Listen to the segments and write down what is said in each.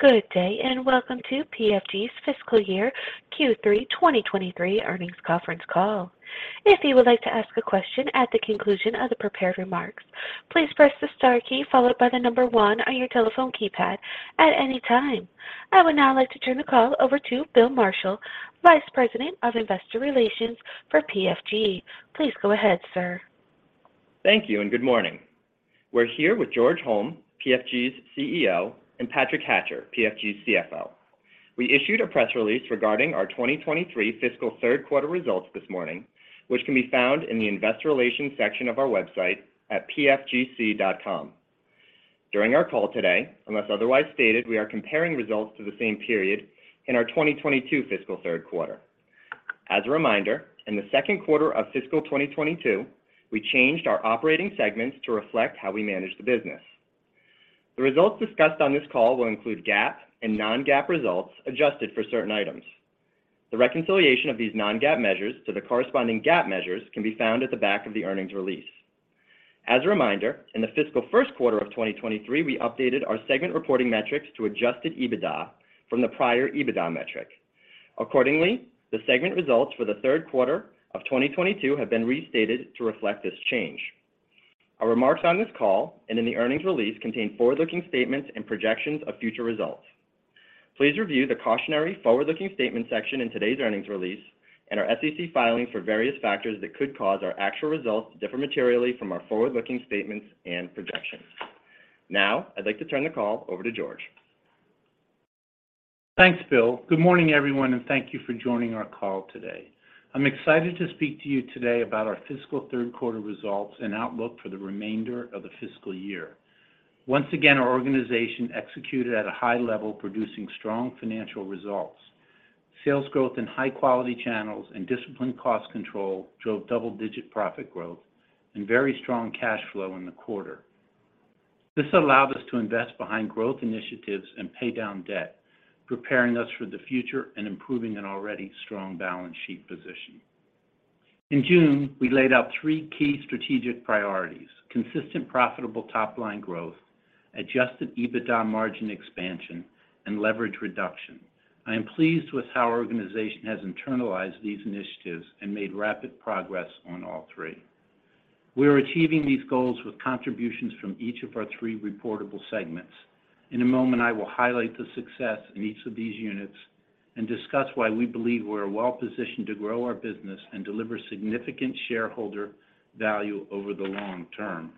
Good day, and welcome to PFG's Fiscal Year Q3 2023 Earnings Conference Call. If you would like to ask a question at the conclusion of the prepared remarks, please press the star key followed by the number one on your telephone keypad at any time. I would now like to turn the call over to Bill Marshall, Sr. Vice President, Investor Relations for PFG. Please go ahead, sir. Thank you, and good morning. We're here with George Holm, PFG's CEO, and Patrick Hatcher, PFG's CFO. We issued a press release regarding our 2023 fiscal third quarter results this morning, which can be found in the Investor Relations section of our website at pfgc.com. During our call today, unless otherwise stated, we are comparing results to the same period in our 2022 fiscal third quarter. As a reminder, in the second quarter of fiscal 2022, we changed our operating segments to reflect how we manage the business. The results discussed on this call will include GAAP and non-GAAP results adjusted for certain items. The reconciliation of these non-GAAP measures to the corresponding GAAP measures can be found at the back of the earnings release. As a reminder, in the fiscal 1st quarter of 2023, we updated our segment reporting metrics to adjusted EBITDA from the prior EBITDA metric. Accordingly, the segment results for the 3rd quarter of 2022 have been restated to reflect this change. Our remarks on this call and in the earnings release contain forward-looking statements and projections of future results. Please review the Cautionary Forward-Looking Statements section in today's earnings release and our SEC filings for various factors that could cause our actual results to differ materially from our forward-looking statements and projections. Now, I'd like to turn the call over to George. Thanks, Bill. Good morning, everyone, and thank you for joining our call today. I'm excited to speak to you today about our fiscal third quarter results and outlook for the remainder of the fiscal year. Once again, our organization executed at a high level, producing strong financial results. Sales growth in high-quality channels and disciplined cost control drove double-digit profit growth and very strong cash flow in the quarter. This allowed us to invest behind growth initiatives and pay down debt, preparing us for the future and improving an already strong balance sheet position. In June, we laid out three key strategic priorities: consistent profitable top-line growth, adjusted EBITDA margin expansion, and leverage reduction. I am pleased with how our organization has internalized these initiatives and made rapid progress on all three. We are achieving these goals with contributions from each of our three reportable segments. In a moment, I will highlight the success in each of these units and discuss why we believe we're well-positioned to grow our business and deliver significant shareholder value over the long term.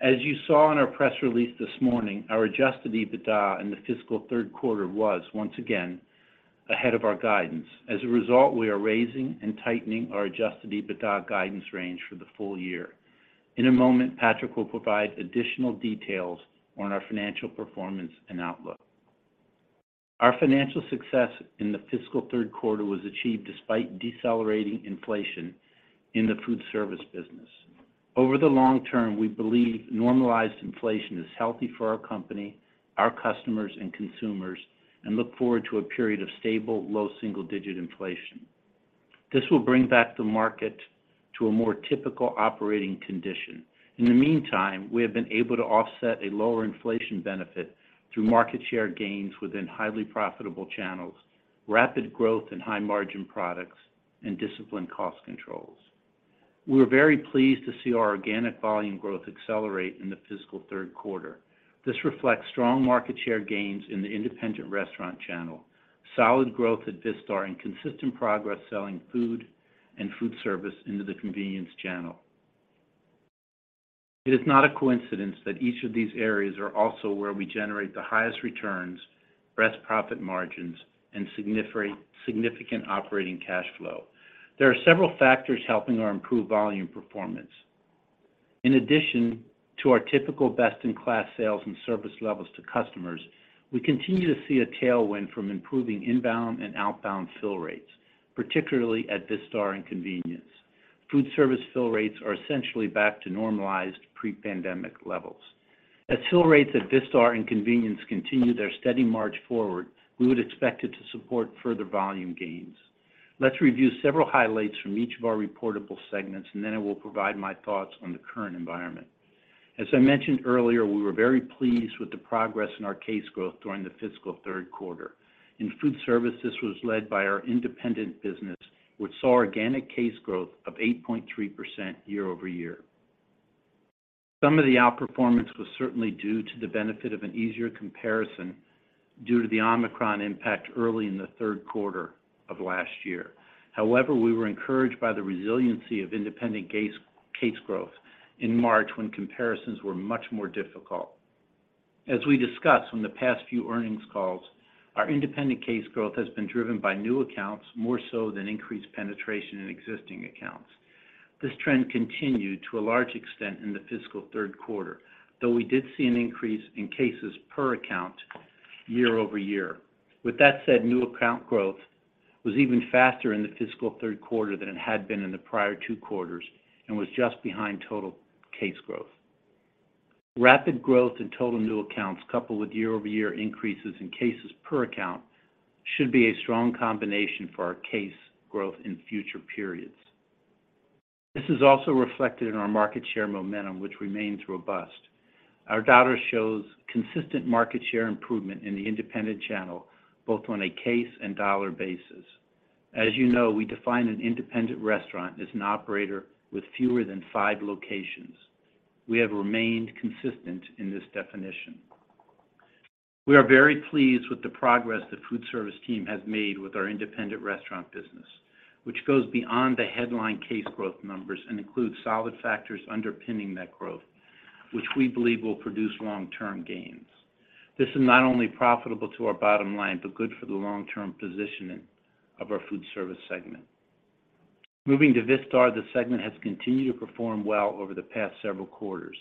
As you saw in our press release this morning, our adjusted EBITDA in the fiscal third quarter was once again ahead of our guidance. As a result, we are raising and tightening our adjusted EBITDA guidance range for the full year. In a moment, Patrick will provide additional details on our financial performance and outlook. Our financial success in the fiscal third quarter was achieved despite decelerating inflation in the foodservice business. Over the long term, we believe normalized inflation is healthy for our company, our customers, and consumers, and look forward to a period of stable, low single-digit inflation. This will bring back the market to a more typical operating condition. In the meantime, we have been able to offset a lower inflation benefit through market share gains within highly profitable channels, rapid growth in high-margin products, and disciplined cost controls. We're very pleased to see our organic volume growth accelerate in the fiscal third quarter. This reflects strong market share gains in the independent restaurant channel, solid growth at Vistar, and consistent progress selling food and food service into the convenience channel. It is not a coincidence that each of these areas are also where we generate the highest returns, best profit margins, and significant operating cash flow. There are several factors helping our improved volume performance. In addition to our typical best-in-class sales and service levels to customers, we continue to see a tailwind from improving inbound and outbound fill rates, particularly at Vistar and Convenience. Food service fill rates are essentially back to normalized pre-pandemic levels. As fill rates at Vistar and Convenience continue their steady march forward, we would expect it to support further volume gains. Let's review several highlights from each of our reportable segments, then I will provide my thoughts on the current environment. As I mentioned earlier, we were very pleased with the progress in our case growth during the fiscal third quarter. In food service, this was led by our independent business, which saw organic case growth of 8.3% year-over-year. Some of the outperformance was certainly due to the benefit of an easier comparison due to the Omicron impact early in the third quarter of last year. We were encouraged by the resiliency of independent case growth in March when comparisons were much more difficult. As we discussed on the past few earnings calls, our independent case growth has been driven by new accounts more so than increased penetration in existing accounts. This trend continued to a large extent in the fiscal third quarter, though we did see an increase in cases per account year-over-year. With that said, new account growth was even faster in the fiscal third quarter than it had been in the prior two quarters and was just behind total case growth. Rapid growth in total new accounts coupled with year-over-year increases in cases per account should be a strong combination for our case growth in future periods. This is also reflected in our market share momentum, which remains robust. Our data shows consistent market share improvement in the independent channel, both on a case and dollar basis. As you know, we define an independent restaurant as an operator with fewer than five locations. We have remained consistent in this definition. We are very pleased with the progress the foodservice team has made with our independent restaurant business, which goes beyond the headline case growth numbers and includes solid factors underpinning that growth, which we believe will produce long-term gains. This is not only profitable to our bottom line, but good for the long-term positioning of our foodservice segment. Moving to Vistar, the segment has continued to perform well over the past several quarters.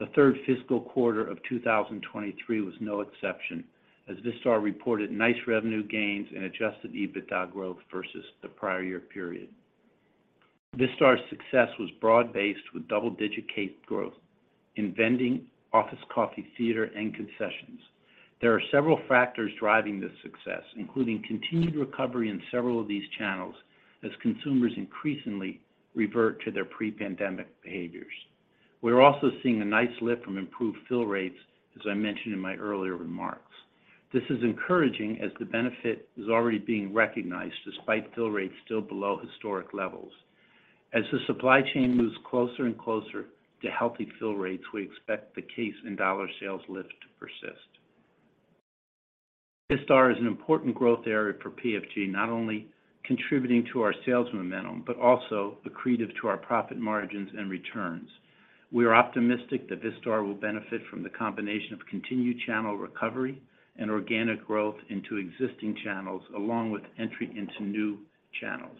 The 3rd fiscal quarter of 2023 was no exception, as Vistar reported nice revenue gains and adjusted EBITDA growth versus the prior year period. Vistar's success was broad-based with double-digit case growth in vending, office coffee theater, and concessions. There are several factors driving this success, including continued recovery in several of these channels as consumers increasingly revert to their pre-pandemic behaviors. We're also seeing a nice lift from improved fill rates, as I mentioned in my earlier remarks. This is encouraging as the benefit is already being recognized despite fill rates still below historic levels. As the supply chain moves closer and closer to healthy fill rates, we expect the case and dollar sales lift to persist. Vistar is an important growth area for PFG, not only contributing to our sales momentum, but also accretive to our profit margins and returns. We are optimistic that Vistar will benefit from the combination of continued channel recovery and organic growth into existing channels, along with entry into new channels.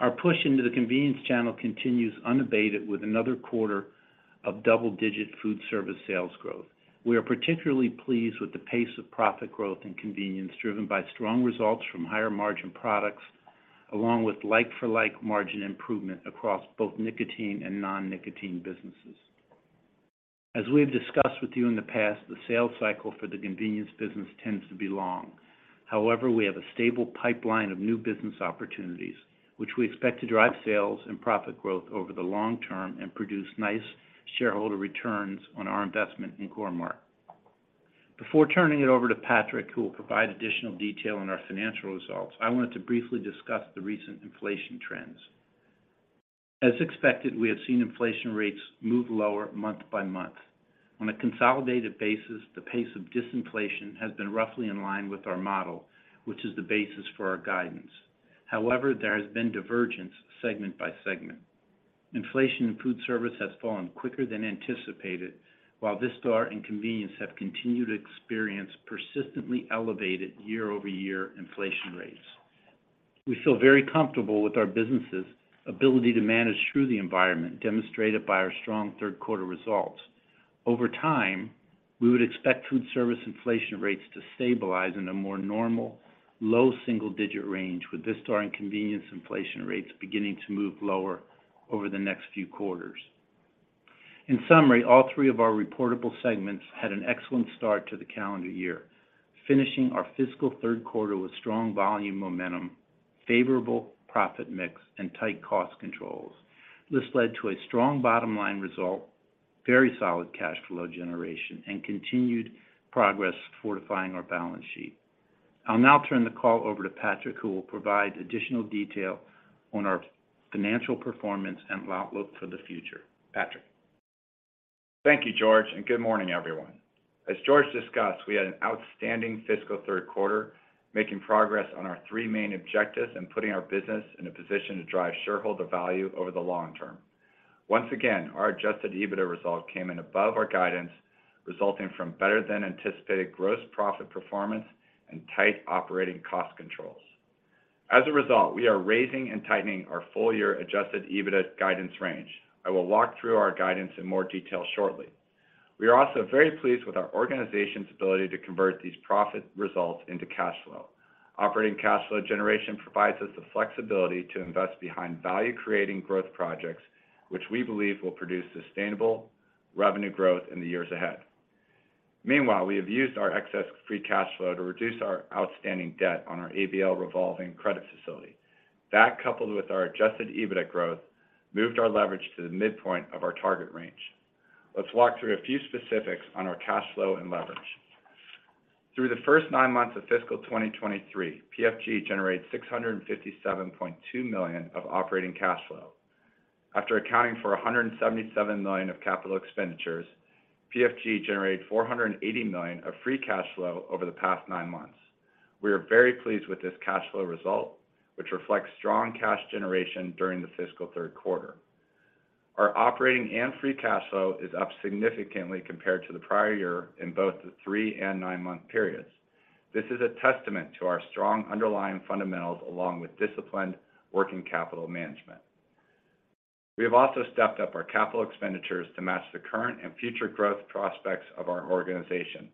Our push into the convenience channel continues unabated with another quarter of double-digit food service sales growth. We are particularly pleased with the pace of profit growth and convenience driven by strong results from higher margin products, along with like-for-like margin improvement across both nicotine and non-nicotine businesses. As we have discussed with you in the past, the sales cycle for the convenience business tends to be long. However, we have a stable pipeline of new business opportunities, which we expect to drive sales and profit growth over the long term and produce nice shareholder returns on our investment in Core-Mark. Before turning it over to Patrick, who will provide additional detail on our financial results, I wanted to briefly discuss the recent inflation trends. As expected, we have seen inflation rates move lower month by month. On a consolidated basis, the pace of disinflation has been roughly in line with our model, which is the basis for our guidance. There has been divergence segment by segment. Inflation in foodservice has fallen quicker than anticipated, while Vistar and Convenience have continued to experience persistently elevated year-over-year inflation rates. We feel very comfortable with our businesses' ability to manage through the environment, demonstrated by our strong third quarter results. Over time, we would expect foodservice inflation rates to stabilize in a more normal, low single-digit range, with Vistar and Convenience inflation rates beginning to move lower over the next few quarters. In summary, all three of our reportable segments had an excellent start to the calendar year, finishing our fiscal third quarter with strong volume momentum, favorable profit mix, and tight cost controls. This led to a strong bottom line result, very solid cash flow generation, and continued progress fortifying our balance sheet. I'll now turn the call over to Patrick, who will provide additional detail on our financial performance and outlook for the future. Patrick. Thank you, George. Good morning, everyone. As George discussed, we had an outstanding fiscal third quarter, making progress on our three main objectives and putting our business in a position to drive shareholder value over the long term. Once again, our adjusted EBITDA result came in above our guidance, resulting from better than anticipated gross profit performance and tight operating cost controls. As a result, we are raising and tightening our full year adjusted EBITDA guidance range. I will walk through our guidance in more detail shortly. We are also very pleased with our organization's ability to convert these profit results into cash flow. Operating cash flow generation provides us the flexibility to invest behind value creating growth projects, which we believe will produce sustainable revenue growth in the years ahead. Meanwhile, we have used our excess free cash flow to reduce our outstanding debt on our ABL revolving credit facility. That, coupled with our adjusted EBITDA growth, moved our leverage to the midpoint of our target range. Let's walk through a few specifics on our cash flow and leverage. Through the first 9 months of fiscal 2023, PFG generated $657.2 million of operating cash flow. After accounting for $177 million of capital expenditures, PFG generated $480 million of free cash flow over the past 9 months. We are very pleased with this cash flow result, which reflects strong cash generation during the fiscal third quarter. Our operating and free cash flow is up significantly compared to the prior year in both the 3 and 9-month periods. This is a testament to our strong underlying fundamentals, along with disciplined working capital management. We have also stepped up our capital expenditures to match the current and future growth prospects of our organization.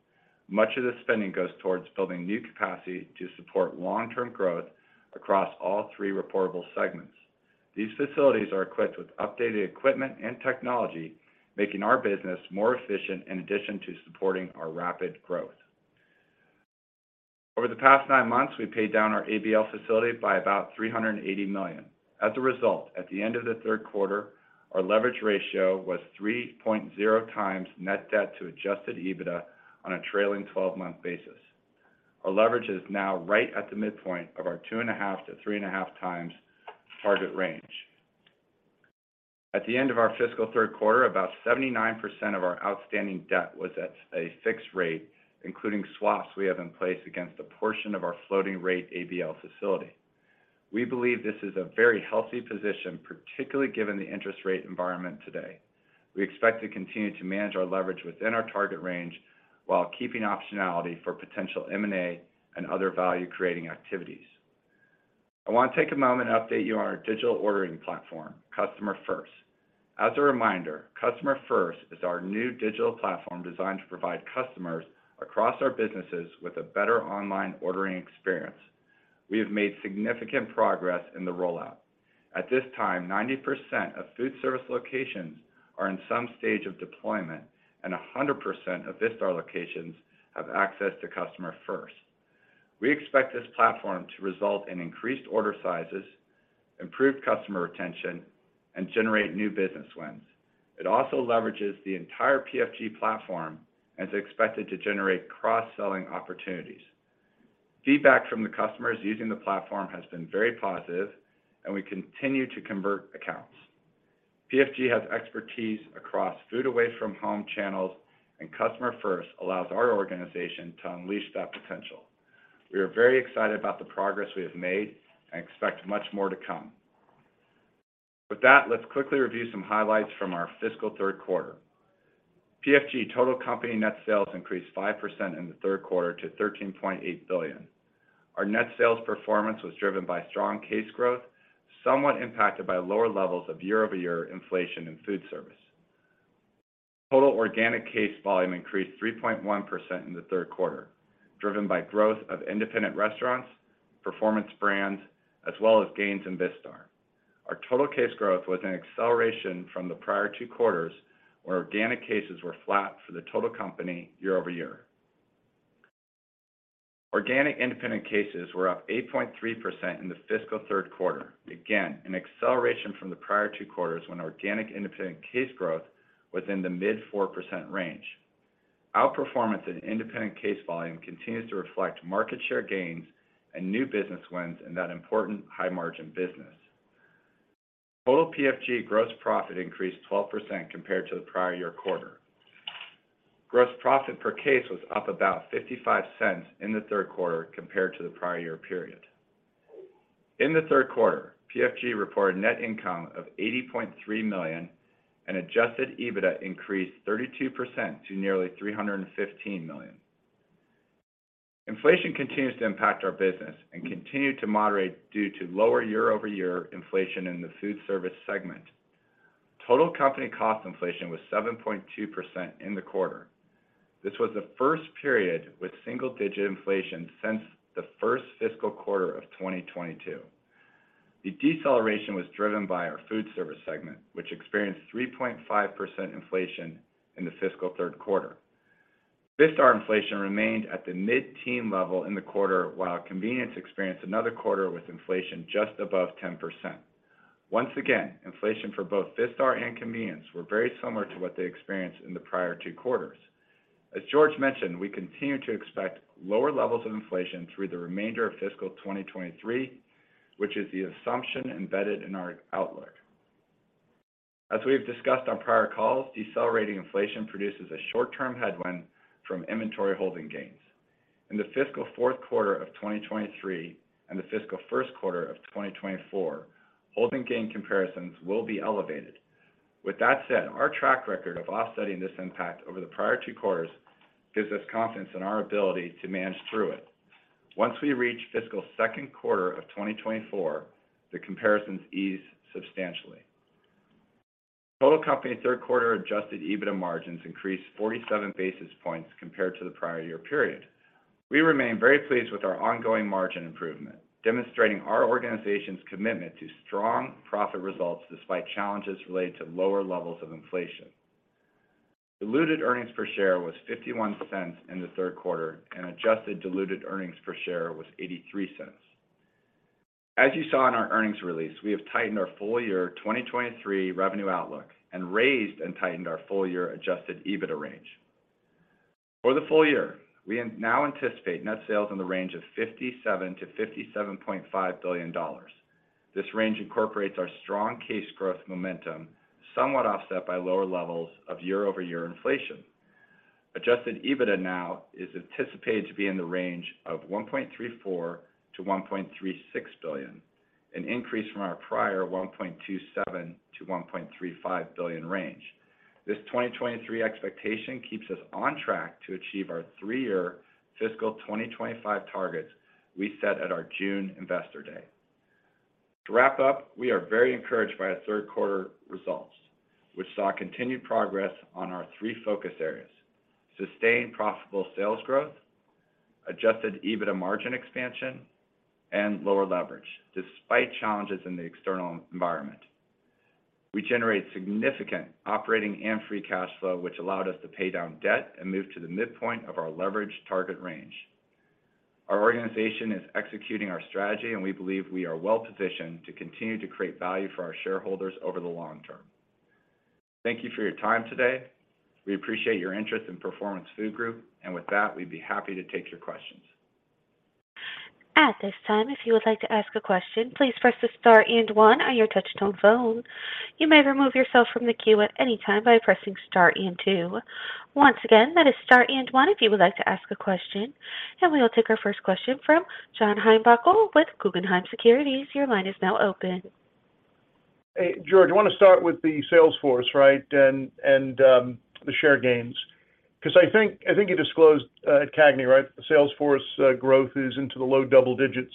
Much of the spending goes towards building new capacity to support long-term growth across all three reportable segments. These facilities are equipped with updated equipment and technology, making our business more efficient in addition to supporting our rapid growth. Over the past nine months, we paid down our ABL facility by about $380 million. As a result, at the end of the third quarter, our leverage ratio was 3.0x net debt to adjusted EBITDA on a trailing twelve-month basis. Our leverage is now right at the midpoint of our 2.5x-3.5x target range. At the end of our fiscal third quarter, about 79% of our outstanding debt was at a fixed rate, including swaps we have in place against a portion of our floating rate ABL facility. We believe this is a very healthy position, particularly given the interest rate environment today. We expect to continue to manage our leverage within our target range while keeping optionality for potential M&A and other value-creating activities. I want to take a moment to update you on our digital ordering platform, CustomerFirst. As a reminder, CustomerFirst is our new digital platform designed to provide customers across our businesses with a better online ordering experience. We have made significant progress in the rollout. At this time, 90% of foodservice locations are in some stage of deployment, and 100% of Vistar locations have access to CustomerFirst. We expect this platform to result in increased order sizes, improved customer retention, and generate new business wins. It also leverages the entire PFG platform and is expected to generate cross-selling opportunities. Feedback from the customers using the platform has been very positive, and we continue to convert accounts. PFG has expertise across food away from home channels, and CustomerFirst allows our organization to unleash that potential. We are very excited about the progress we have made and expect much more to come. Let's quickly review some highlights from our fiscal third quarter. PFG total company net sales increased 5% in the third quarter to $13.8 billion. Our net sales performance was driven by strong case growth, somewhat impacted by lower levels of year-over-year inflation in foodservice. Total organic case volume increased 3.1% in the third quarter, driven by growth of independent restaurants, Performance Brands, as well as gains in Vistar. Our total case growth was an acceleration from the prior two quarters, where organic cases were flat for the total company year-over-year. Organic independent cases were up 8.3% in the fiscal third quarter. Again, an acceleration from the prior two quarters when organic independent case growth was in the mid-4% range. Outperformance in independent case volume continues to reflect market share gains and new business wins in that important high margin business. Total PFG gross profit increased 12% compared to the prior year quarter. Gross profit per case was up about $0.55 in the third quarter compared to the prior year period. In the third quarter, PFG reported net income of $80.3 million, and adjusted EBITDA increased 32% to nearly $315 million. Inflation continues to impact our business and continued to moderate due to lower year-over-year inflation in the food service segment. Total company cost inflation was 7.2% in the quarter. This was the first period with single digit inflation since the first fiscal quarter of 2022. The deceleration was driven by our food service segment, which experienced 3.5% inflation in the fiscal third quarter. Vistar inflation remained at the mid-teen level in the quarter, while convenience experienced another quarter with inflation just above 10%. Once again, inflation for both Vistar and convenience were very similar to what they experienced in the prior two quarters. As George mentioned, we continue to expect lower levels of inflation through the remainder of fiscal 2023, which is the assumption embedded in our outlook. As we've discussed on prior calls, decelerating inflation produces a short-term headwind from inventory holding gains. In the fiscal fourth quarter of 2023 and the fiscal first quarter of 2024, holding gain comparisons will be elevated. With that said, our track record of offsetting this impact over the prior two quarters gives us confidence in our ability to manage through it. Once we reach fiscal second quarter of 2024, the comparisons ease substantially. Total company third quarter adjusted EBITDA margins increased 47 basis points compared to the prior year period. We remain very pleased with our ongoing margin improvement, demonstrating our organization's commitment to strong profit results despite challenges related to lower levels of inflation. Diluted earnings per share was $0.51 in the third quarter and adjusted diluted earnings per share was $0.83. As you saw in our earnings release, we have tightened our full year 2023 revenue outlook and raised and tightened our full year adjusted EBITDA range. For the full year, we now anticipate net sales in the range of $57 billion-$57.5 billion. This range incorporates our strong case growth momentum, somewhat offset by lower levels of year-over-year inflation. Adjusted EBITDA now is anticipated to be in the range of $1.34 billion-$1.36 billion, an increase from our prior $1.27 billion-$1.35 billion range. This 2023 expectation keeps us on track to achieve our three-year fiscal 2025 targets we set at our June Investor Day. To wrap up, we are very encouraged by our third quarter results, which saw continued progress on our three focus areas: sustained profitable sales growth, adjusted EBITDA margin expansion, and lower leverage despite challenges in the external environment. We generated significant operating and free cash flow, which allowed us to pay down debt and move to the midpoint of our leverage target range. Our organization is executing our strategy. We believe we are well-positioned to continue to create value for our shareholders over the long term. Thank you for your time today. We appreciate your interest in Performance Food Group. With that, we'd be happy to take your questions. At this time, if you would like to ask a question, please press star and 1 on your touch tone phone. You may remove yourself from the queue at any time by pressing star and 2. Once again, that is star and 1 if you would like to ask a question. We will take our first question from John Heinbockel with Guggenheim Securities. Your line is now open. Hey, George, I wanna start with the sales force, right, and the share gains. 'Cause I think you disclosed at CAGNY, right, the sales force growth is into the low double digits,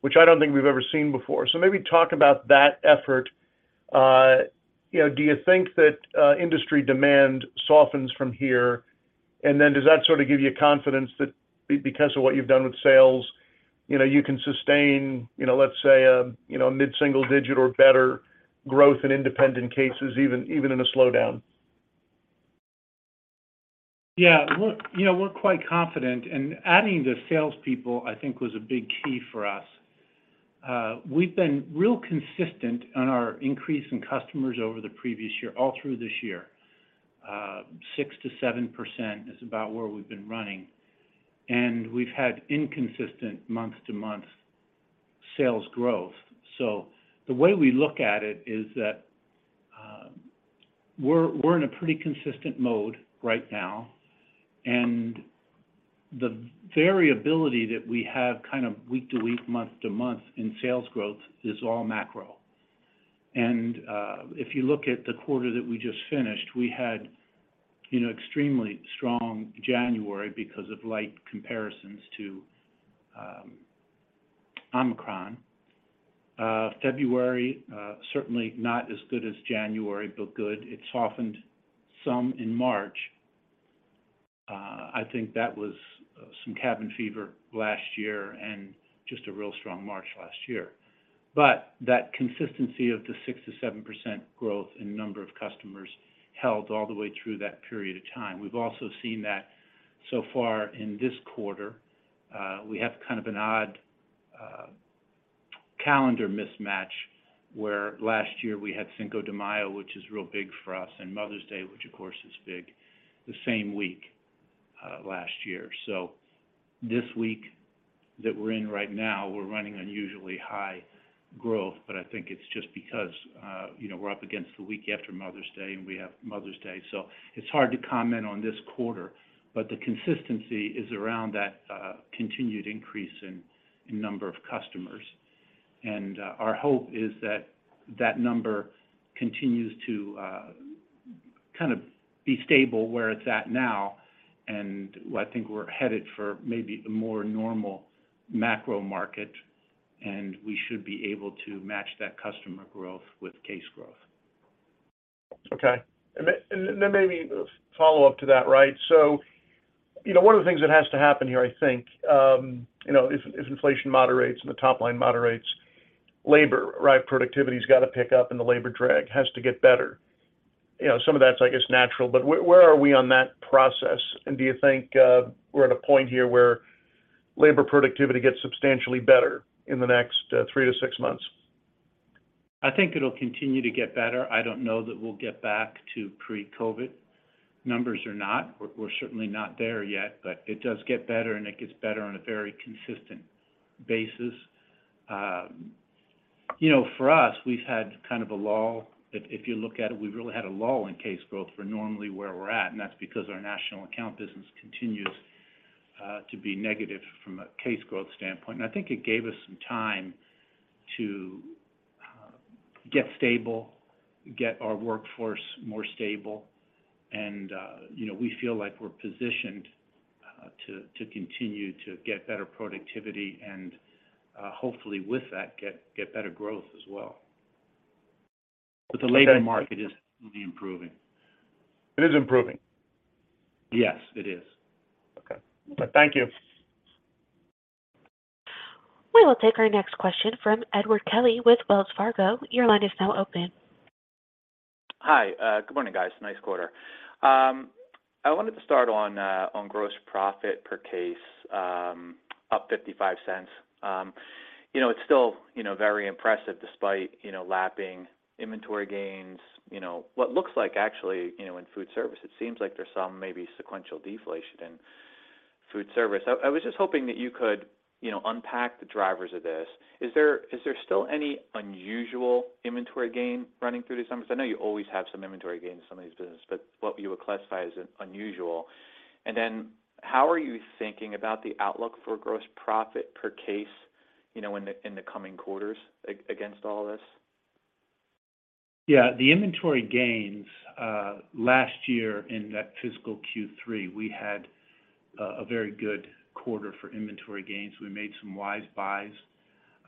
which I don't think we've ever seen before. Maybe talk about that effort. You know, do you think that industry demand softens from here? Does that sort of give you confidence that because of what you've done with sales, you know, you can sustain, you know, let's say a, you know, mid-single digit or better growth in independent cases even in a slowdown? Yeah. Look, you know, we're quite confident, and adding the salespeople, I think, was a big key for us. We've been real consistent on our increase in customers over the previous year, all through this year. 6%-7% is about where we've been running, and we've had inconsistent month-to-month sales growth. The way we look at it is that, we're in a pretty consistent mode right now, and the variability that we have kind of week to week, month to month in sales growth is all macro. If you look at the quarter that we just finished, we had, you know, extremely strong January because of light comparisons to, Omicron. February, certainly not as good as January, but good. It softened some in March. I think that was some cabin fever last year and just a real strong March last year. That consistency of the 6%-7% growth in number of customers held all the way through that period of time. We've also seen that so far in this quarter. We have kind of an odd calendar mismatch, where last year we had Cinco de Mayo, which is real big for us, and Mother's Day, which of course is big, the same week last year. This week that we're in right now, we're running unusually high growth, but I think it's just because, you know, we're up against the week after Mother's Day, and we have Mother's Day. It's hard to comment on this quarter, but the consistency is around that continued increase in number of customers. Our hope is that that number continues to kind of be stable where it's at now. I think we're headed for maybe a more normal macro market, and we should be able to match that customer growth with case growth. Okay. Then maybe a follow-up to that, right? You know, one of the things that has to happen here, I think, you know, if inflation moderates and the top line moderates, labor, right, productivity's gotta pick up and the labor drag has to get better. You know, some of that's, I guess, natural, but where are we on that process? Do you think we're at a point here where labor productivity gets substantially better in the next three to six months? I think it'll continue to get better. I don't know that we'll get back to pre-COVID numbers or not. We're certainly not there yet. It does get better, and it gets better on a very consistent basis. You know, for us, we've had kind of a lull. If you look at it, we've really had a lull in case growth for normally where we're at, and that's because our national account business continues to be negative from a case growth standpoint. I think it gave us some time to get stable, get our workforce more stable, and you know, we feel like we're positioned to continue to get better productivity and hopefully with that get better growth as well. The labor market is really improving. It is improving? Yes, it is. Okay. Thank you. We will take our next question from Edward Kelly with Wells Fargo. Your line is now open. Hi. Good morning, guys. Nice quarter. I wanted to start on gross profit per case, up $0.55. You know, it's still, you know, very impressive despite, you know, lapping inventory gains. You know, what looks like actually, you know, in food service, it seems like there's some maybe sequential deflation in food service. I was just hoping that you could, you know, unpack the drivers of this. Is there still any unusual inventory gain running through these numbers? I know you always have some inventory gains in some of these business, but what you would classify as unusual. How are you thinking about the outlook for gross profit per case, you know, in the coming quarters against all this? Yeah. The inventory gains last year in that fiscal Q3, we had a very good quarter for inventory gains. We made some wise buys.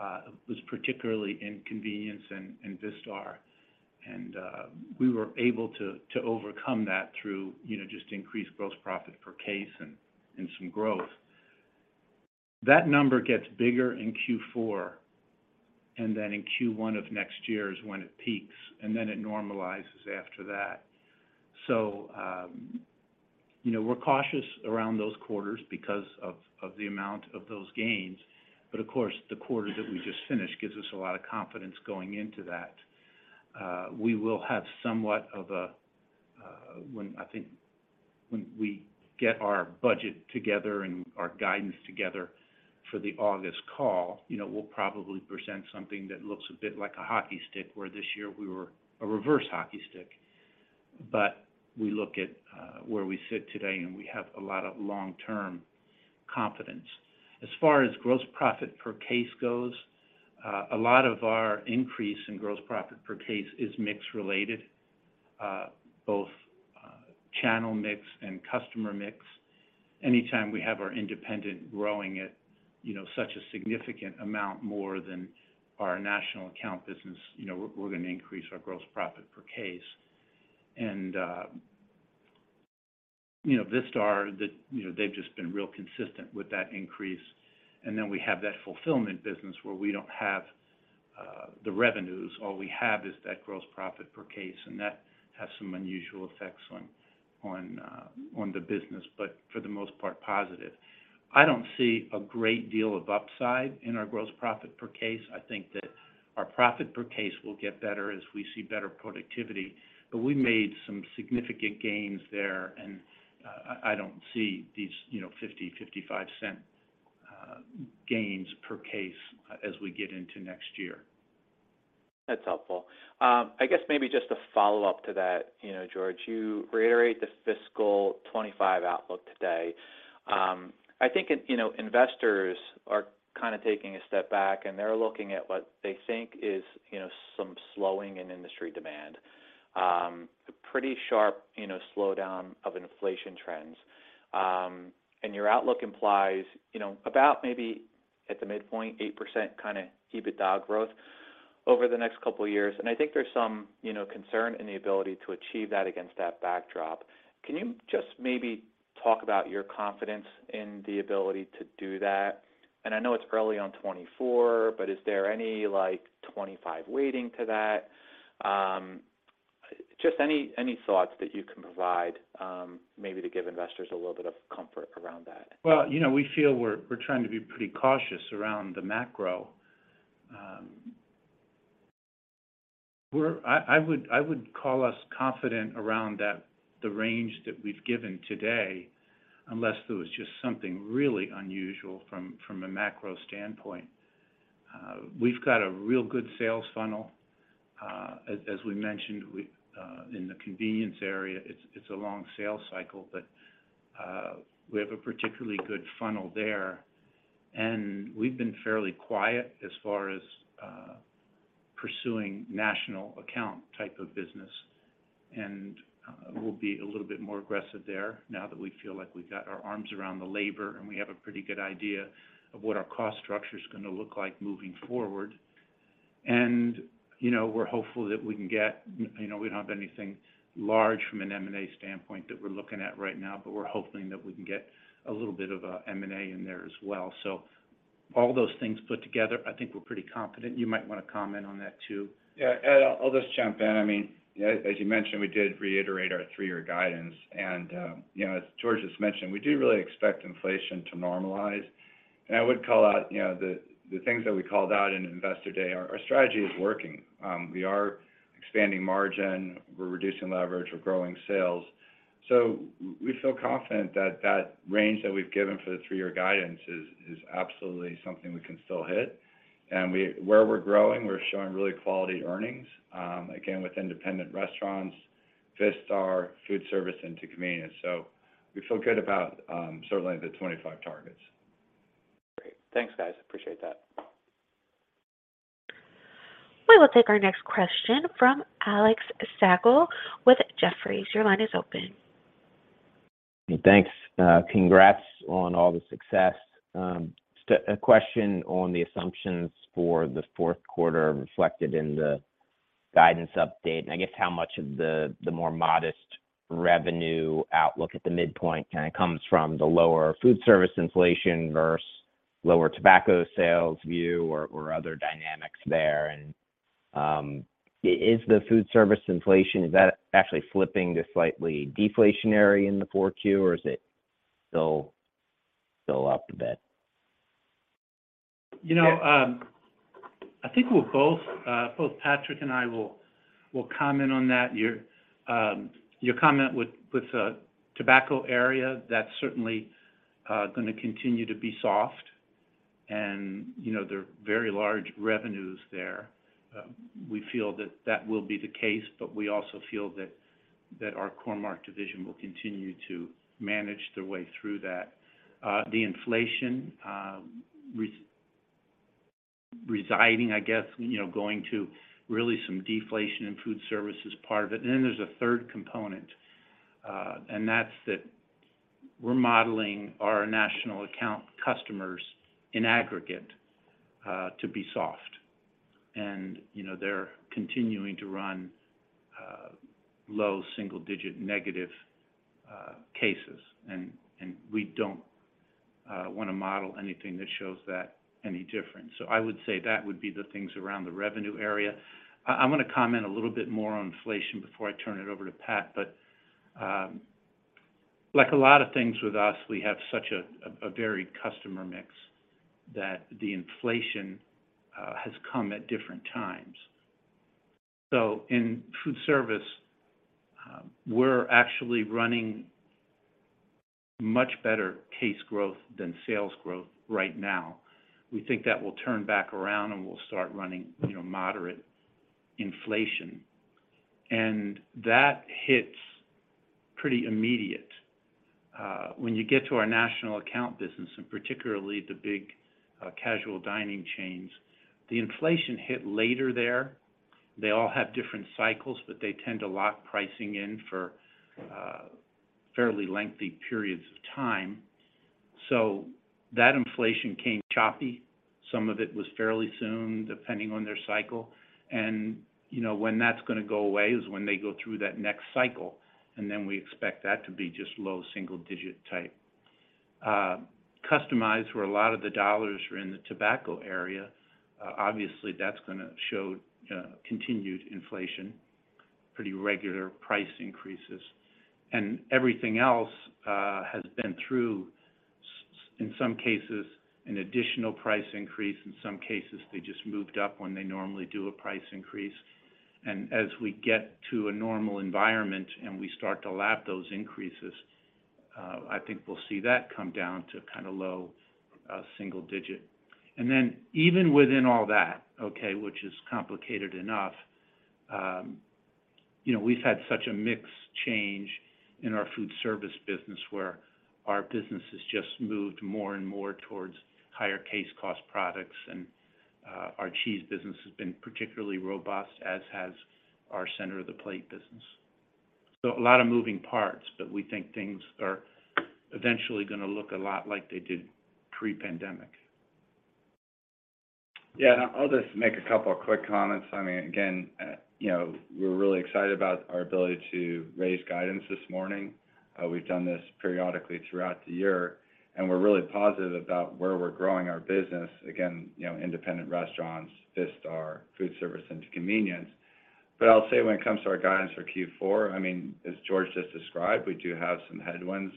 It was particularly in convenience and Vistar. We were able to overcome that through, you know, just increased gross profit per case and some growth. That number gets bigger in Q4 and then in Q1 of next year is when it peaks, and then it normalizes after that. You know, we're cautious around those quarters because of the amount of those gains. Of course, the quarter that we just finished gives us a lot of confidence going into that. We will have somewhat of a. I think when we get our budget together and our guidance together for the August call, you know, we'll probably present something that looks a bit like a hockey stick, where this year we were a reverse hockey stick. We look at where we sit today, and we have a lot of long-term confidence. As far as gross profit per case goes, a lot of our increase in gross profit per case is mix related, both, channel mix and customer mix. Anytime we have our independent growing at, you know, such a significant amount more than our national account business, you know, we're gonna increase our gross profit per case. You know, Vistar, the, you know, they've just been real consistent with that increase. Then we have that fulfillment business where we don't have the revenues. All we have is that gross profit per case. That has some unusual effects on the business, but for the most part, positive. I don't see a great deal of upside in our gross profit per case. I think that our profit per case will get better as we see better productivity. We made some significant gains there, and I don't see these, you know, $0.50-$0.55 gains per case as we get into next year. That's helpful. I guess maybe just a follow-up to that. You know, George, you reiterate the fiscal 2025 outlook today. You know, investors are kinda taking a step back, and they're looking at what they think is, you know, some slowing in industry demand, a pretty sharp, you know, slowdown of inflation trends. Your outlook implies, you know, about maybe, at the midpoint, 8% kinda EBITDA growth over the next couple years. I think there's some, you know, concern in the ability to achieve that against that backdrop. Can you just maybe talk about your confidence in the ability to do that? I know it's early on 2024, but is there any, like, 2025 weighting to that? Just any thoughts that you can provide, maybe to give investors a little bit of comfort around that. Well, you know, we feel we're trying to be pretty cautious around the macro. I would call us confident around that, the range that we've given today, unless there was just something really unusual from a macro standpoint. We've got a real good sales funnel. As we mentioned, we in the convenience area, it's a long sales cycle, but we have a particularly good funnel there. We've been fairly quiet as far as pursuing national account type of business. We'll be a little bit more aggressive there now that we feel like we've got our arms around the labor, and we have a pretty good idea of what our cost structure's gonna look like moving forward. You know, we're hopeful that we can get You know, we don't have anything large from an M&A standpoint that we're looking at right now, but we're hoping that we can get a little bit of M&A in there as well. All those things put together, I think we're pretty confident. You might wanna comment on that too. Yeah. I'll just jump in. I mean, as you mentioned, we did reiterate our 3-year guidance. You know, as George just mentioned, we do really expect inflation to normalize. I would call out, you know, the things that we called out in Investor Day, our strategy is working. We are expanding margin, we're reducing leverage, we're growing sales. We feel confident that that range that we've given for the 3-year guidance is absolutely something we can still hit. Where we're growing, we're showing really quality earnings, again, with independent restaurants, Vistar, food service, and to convenience. We feel good about certainly the 25 targets. Great. Thanks, guys. Appreciate that. We will take our next question from Alex Slagle with Jefferies. Your line is open. Thanks. Congrats on all the success. question on the assumptions for the fourth quarter reflected in the guidance update, and I guess how much of the more modest revenue outlook at the midpoint kinda comes from the lower foodservice inflation versus lower tobacco sales view or other dynamics there. Is the foodservice inflation, is that actually flipping to slightly deflationary in the 4Q, or is it still up a bit? You know, I think we'll both Patrick and I will comment on that. Your comment with the tobacco area, that's certainly gonna continue to be soft. You know, there are very large revenues there. We feel that that will be the case, but we also feel that our Core-Mark division will continue to manage their way through that. The inflation residing, I guess, you know, going to really some deflation in foodservice is part of it. Then there's a third component, and that's that we're modeling our national account customers in aggregate to be soft. You know, they're continuing to runLow single digit negative cases. We don't wanna model anything that shows that any different. I would say that would be the things around the revenue area. I wanna comment a little bit more on inflation before I turn it over to Pat. Like a lot of things with us, we have such a varied customer mix that the inflation has come at different times. In foodservice, we're actually running much better case growth than sales growth right now. We think that will turn back around, and we'll start running, you know, moderate inflation. That hits pretty immediate. When you get to our national account business, and particularly the big casual dining chains, the inflation hit later there. They all have different cycles, but they tend to lock pricing in for fairly lengthy periods of time. That inflation came choppy. Some of it was fairly soon, depending on their cycle. You know, when that's gonna go away is when they go through that next cycle, then we expect that to be just low single-digit type. Customized, where a lot of the dollars are in the tobacco area, obviously that's gonna show continued inflation, pretty regular price increases. Everything else has been through in some cases an additional price increase, in some cases they just moved up when they normally do a price increase. As we get to a normal environment and we start to lap those increases, I think we'll see that come down to kinda low single-digit. Even within all that, okay, which is complicated enough, you know, we've had such a mixed change in our foodservice business where our business has just moved more and more towards higher case cost products and our cheese business has been particularly robust, as has our center of the plate business. A lot of moving parts, but we think things are eventually gonna look a lot like they did pre-pandemic. Yeah. I'll just make a couple of quick comments. I mean, again, you know, we're really excited about our ability to raise guidance this morning. We've done this periodically throughout the year, and we're really positive about where we're growing our business. Again, you know, independent restaurants, Vistar, foodservice into convenience. I'll say when it comes to our guidance for Q4, I mean, as George just described, we do have some headwinds,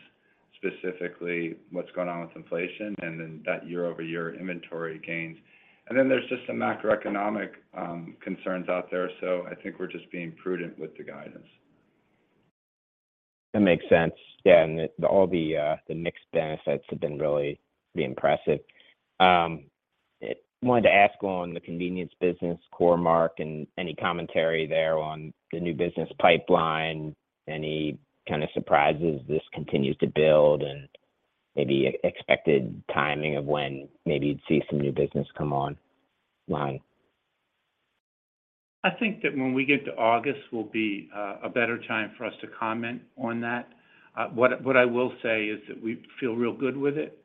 specifically what's going on with inflation and then that year-over-year inventory gains. Then there's just some macroeconomic concerns out there. I think we're just being prudent with the guidance. That makes sense. Yeah. All the mixed benefits have been really pretty impressive. Wanted to ask on the convenience business Core-Mark and any commentary there on the new business pipeline, any kinda surprises this continues to build, and maybe expected timing of when maybe you'd see some new business come online? I think that when we get to August will be a better time for us to comment on that. What I will say is that we feel real good with it.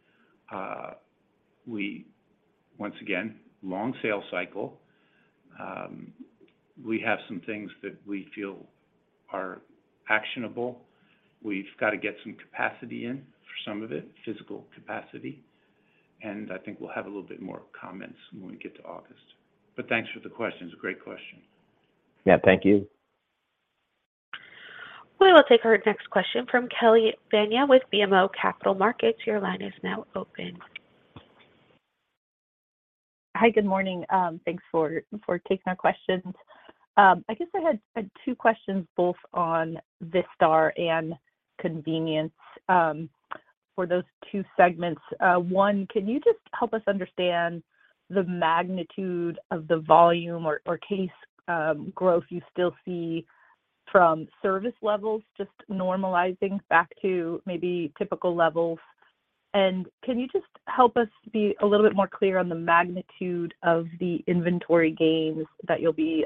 Once again, long sales cycle. We have some things that we feel are actionable. We've gotta get some capacity in for some of it, physical capacity. I think we'll have a little bit more comments when we get to August. Thanks for the question. It's a great question. Yeah. Thank you. We'll take our next question from Kelly Bania with BMO Capital Markets. Your line is now open. Hi. Good morning. Thanks for taking our questions. I guess I had two questions both on Vistar and convenience, for those two segments. One, can you just help us understand the magnitude of the volume or case, growth you still see from service levels just normalizing back to maybe typical levels? Can you just help us be a little bit more clear on the magnitude of the inventory gains that you'll be,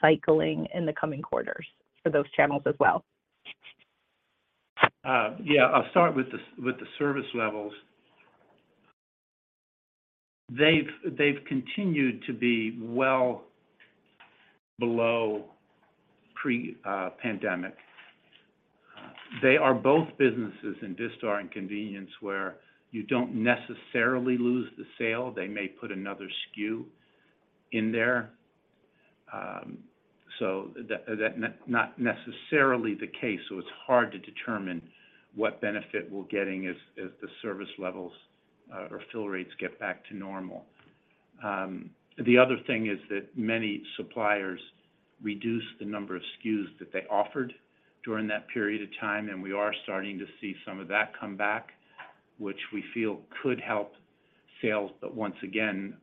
cycling in the coming quarters for those channels as well? Yeah. I'll start with the service levels. They've continued to be well below pre-pandemic. They are both businesses in Vistar and convenience where you don't necessarily lose the sale. They may put another SKU in there. So that, not necessarily the case. It's hard to determine what benefit we're getting as the service levels or fill rates get back to normal. The other thing is that many suppliers reduce the number of SKUs that they offered during that period of time, and we are starting to see some of that come back, which we feel could help sales. Once again,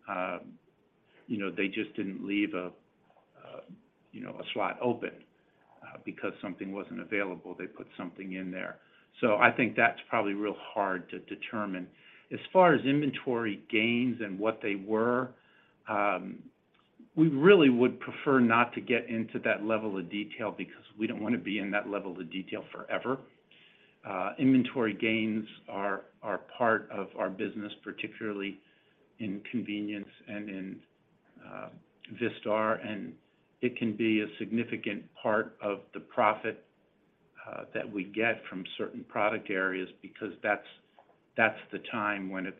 you know, they just didn't leave a, you know, a slot open. Because something wasn't available, they put something in there. I think that's probably real hard to determine. As far as inventory gains and what they were, we really would prefer not to get into that level of detail because we don't wanna be in that level of detail forever. Inventory gains are part of our business, particularly in convenience and in Vistar. It can be a significant part of the profit that we get from certain product areas because that's the time when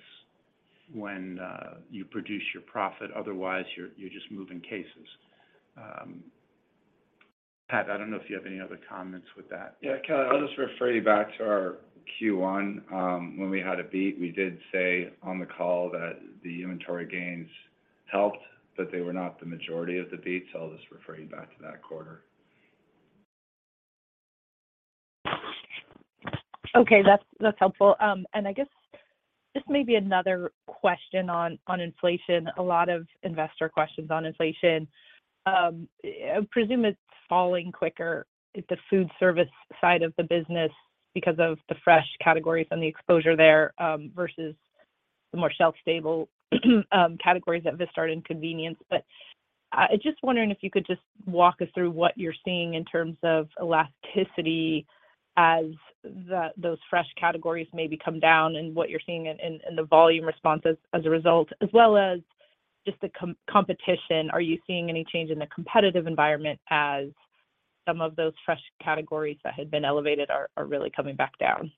you produce your profit. Otherwise, you're just moving cases. Pat, I don't know if you have any other comments with that. Yeah, Kelly, I'll just refer you back to our Q1, when we had a beat. We did say on the call that the inventory gains helped, but they were not the majority of the beat. I'll just refer you back to that quarter. Okay. That's, that's helpful. I guess this may be another question on inflation. A lot of investor questions on inflation. I presume it's falling quicker at the food service side of the business because of the fresh categories and the exposure there, versus the more shelf-stable, categories at Vistar and convenience. I'm just wondering if you could just walk us through what you're seeing in terms of elasticity as the, those fresh categories maybe come down and what you're seeing in the volume responses as a result. As well as just the competition. Are you seeing any change in the competitive environment as some of those fresh categories that had been elevated are really coming back down?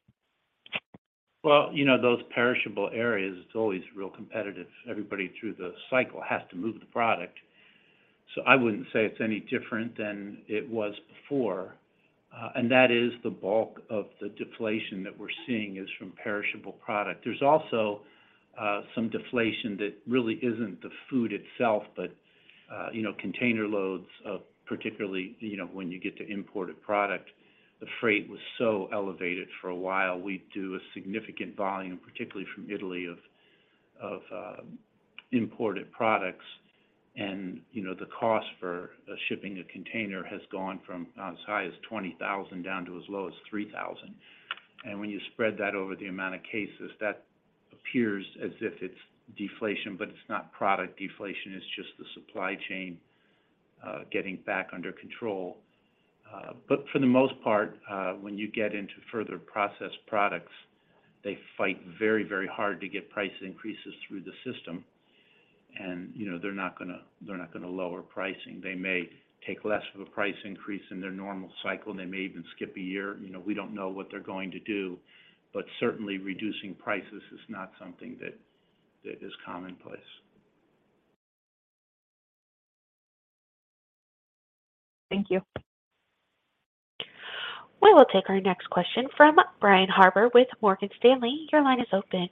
Well, you know, those perishable areas, it's always real competitive. Everybody through the cycle has to move the product. I wouldn't say it's any different than it was before. That is the bulk of the deflation that we're seeing is from perishable product. There's also some deflation that really isn't the food itself, but, you know, container loads of particularly, you know, when you get to imported product, the freight was so elevated for a while. We do a significant volume, particularly from Italy of imported products. You know, the cost for shipping a container has gone from as high as $20,000 down to as low as $3,000. When you spread that over the amount of cases, that appears as if it's deflation, but it's not product deflation, it's just the supply chain getting back under control. For the most part, when you get into further processed products, they fight very, very hard to get price increases through the system. You know, they're not gonna lower pricing. They may take less of a price increase in their normal cycle. They may even skip a year. You know, we don't know what they're going to do, but certainly reducing prices is not something that is commonplace. Thank you. We will take our next question from Brian Harbour with Morgan Stanley. Your line is open.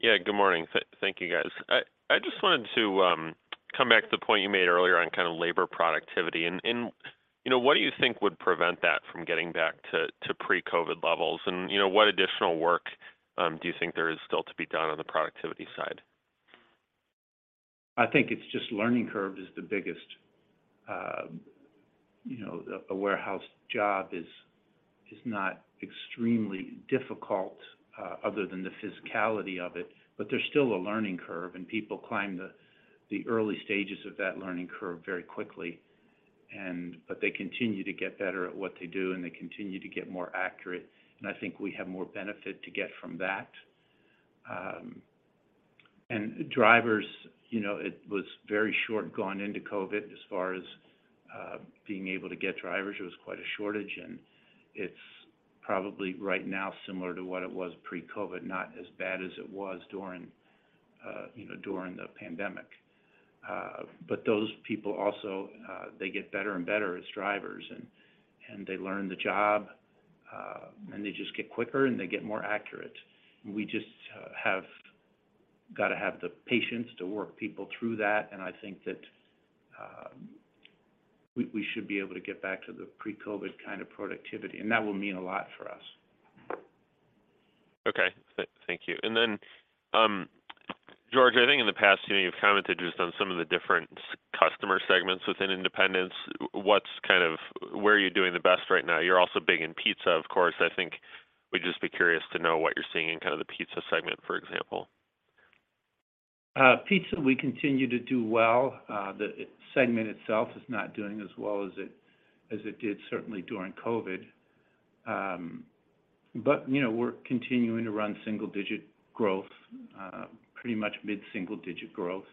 Yeah, good morning. Thank you, guys. I just wanted to come back to the point you made earlier on kind of labor productivity. You know, what do you think would prevent that from getting back to pre-COVID levels? You know, what additional work do you think there is still to be done on the productivity side? I think it's just learning curve is the biggest. You know, a warehouse job is not extremely difficult, other than the physicality of it. There's still a learning curve, and people climb the early stages of that learning curve very quickly. They continue to get better at what they do, and they continue to get more accurate, and I think we have more benefit to get from that. Drivers, you know, it was very short going into COVID as far as, being able to get drivers. It was quite a shortage. It's probably right now similar to what it was pre-COVID, not as bad as it was during, you know, during the pandemic. Those people also, they get better and better as drivers and they learn the job, and they just get quicker and they get more accurate. We just have gotta have the patience to work people through that, and I think that, we should be able to get back to the pre-COVID kind of productivity, and that will mean a lot for us. Okay. Thank you. And then, George, I think in the past, you know, you've commented just on some of the different customer segments within independents. Where are you doing the best right now? You're also big in pizza, of course. I think we'd just be curious to know what you're seeing in kind of the pizza segment, for example. Pizza, we continue to do well. The segment itself is not doing as well as it, as it did certainly during COVID. But, you know, we're continuing to run single-digit growth, pretty much mid-single-digit growth.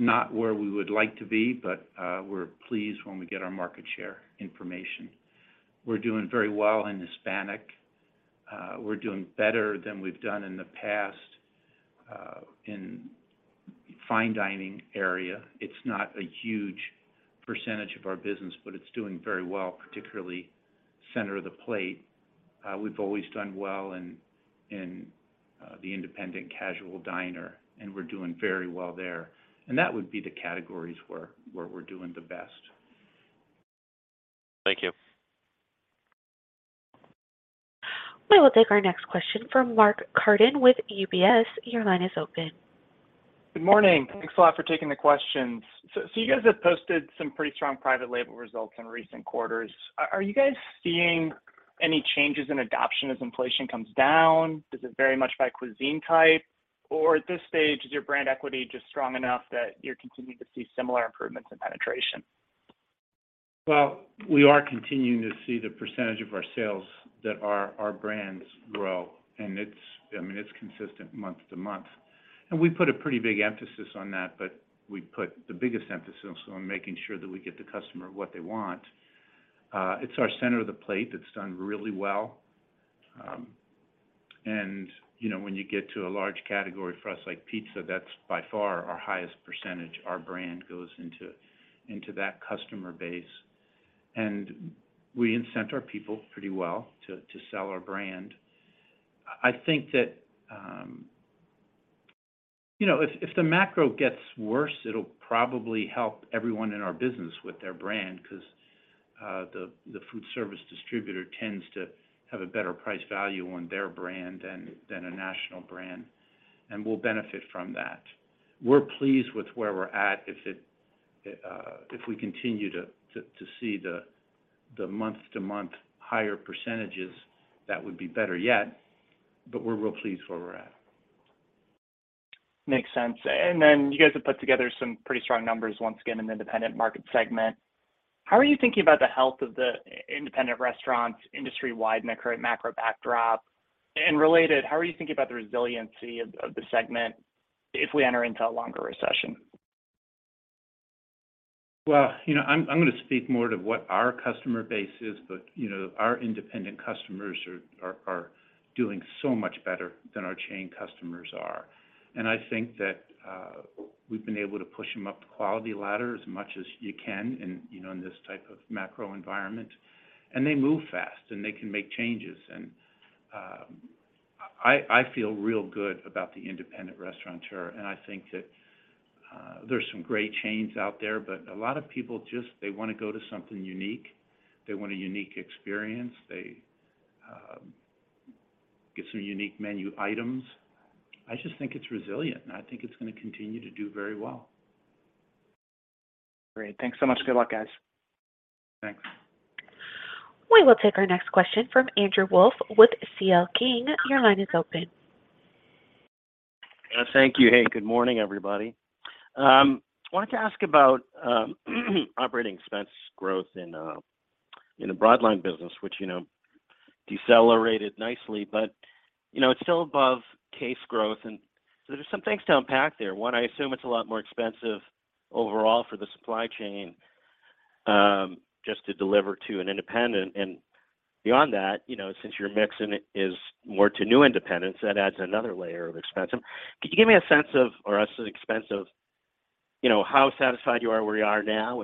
Not where we would like to be, but we're pleased when we get our market share information. We're doing very well in Hispanic. We're doing better than we've done in the past, in fine dining area. It's not a huge percentage of our business, but it's doing very well, particularly center of the plate. We've always done well in, the independent casual diner, and we're doing very well there. That would be the categories where we're doing the best. Thank you. We will take our next question from Mark Carden with UBS. Your line is open. Good morning. Thanks a lot for taking the questions. You guys have posted some pretty strong private label results in recent quarters. Are you guys seeing Any changes in adoption as inflation comes down? Is it very much by cuisine type? Or at this stage, is your brand equity just strong enough that you're continuing to see similar improvements in penetration? Well, we are continuing to see the percentage of our sales that our brands grow, and it's, I mean, it's consistent month-over-month. We put a pretty big emphasis on that, but we put the biggest emphasis on making sure that we get the customer what they want. It's our center of the plate that's done really well. You know, when you get to a large category for us like pizza, that's by far our highest percentage. Our brand goes into that customer base. We incent our people pretty well to sell our brand. I think that, you know, if the macro gets worse, it'll probably help everyone in our business with their brand because, the foodservice distributor tends to have a better price value on their brand than a national brand. We'll benefit from that. We're pleased with where we're at. If we continue to see the month-over-month higher %, that would be better yet. We're real pleased where we're at. Makes sense. You guys have put together some pretty strong numbers once again in the independent market segment. How are you thinking about the health of the independent restaurants industry-wide in the current macro backdrop? Related, how are you thinking about the resiliency of the segment if we enter into a longer recession? Well, you know, I'm gonna speak more to what our customer base is. You know, our independent customers are doing so much better than our chain customers are. I think that we've been able to push them up the quality ladder as much as you can in, you know, in this type of macro environment. They move fast, and they can make changes. I feel real good about the independent restaurateur, and I think that there's some great chains out there. A lot of people just, they wanna go to something unique. They want a unique experience. They get some unique menu items. I just think it's resilient, and I think it's gonna continue to do very well. Great. Thanks so much. Good luck, guys. Thanks. We will take our next question from Andrew Wolf with C.L. King. Your line is open. Thank you. Hey, good morning, everybody. Wanted to ask about operating expense growth in the Broadline business, which, you know, decelerated nicely. You know, it's still above case growth, there's some things to unpack there. One, I assume it's a lot more expensive overall for the supply chain, just to deliver to an independent. Beyond that, you know, since your mix and it is more to new independents, that adds another layer of expense. Can you give me a sense of, or less expensive, you know, how satisfied you are where you are now?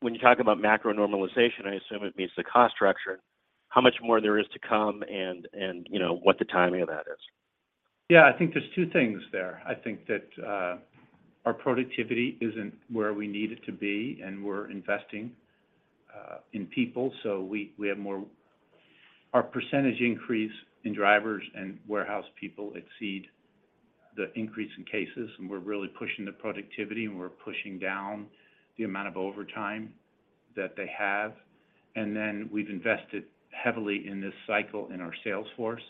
When you talk about macro normalization, I assume it means the cost structure. How much more there is to come and, you know, what the timing of that is. I think there's 2 things there. I think that our productivity isn't where we need it to be, and we're investing in people. Our percentage increase in drivers and warehouse people exceed the increase in cases, and we're really pushing the productivity, and we're pushing down the amount of overtime that they have. We've invested heavily in this cycle in our sales force.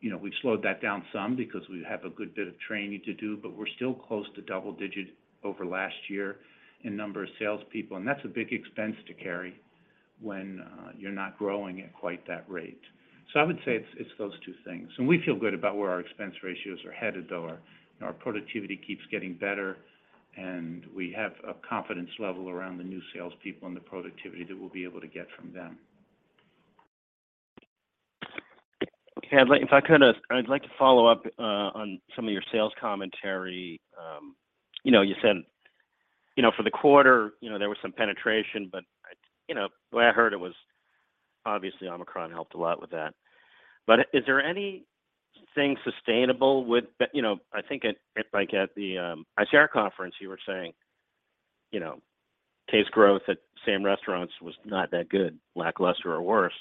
you know, we've slowed that down some because we have a good bit of training to do, but we're still close to double-digit over last year in number of sales people. That's a big expense to carry when you're not growing at quite that rate. I would say it's those two things. We feel good about where our expense ratios are headed, though. Our productivity keeps getting better, and we have a confidence level around the new sales people and the productivity that we'll be able to get from them. Okay. If I could, I'd like to follow up on some of your sales commentary. You know, you said, you know, for the quarter, you know, there was some penetration. You know, the way I heard it was obviously Omicron helped a lot with that. Is there anything sustainable? You know, I think at, like, at the ICR conference, you were saying, you know, case growth at same restaurants was not that good, lackluster or worse.